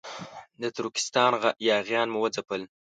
د ترکستان یاغیان مو وځپل.